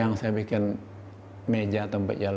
mencari rezeki di matraman jakarta timur